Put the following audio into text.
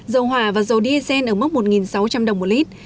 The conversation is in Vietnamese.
dầu hỏa và dầu diesel ở mức một sáu trăm linh đồng một lít